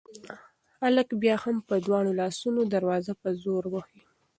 هلک بیا هم په دواړو لاسونو دروازه په زور وهي.